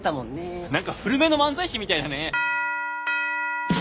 何か古めの漫才師みたいだね。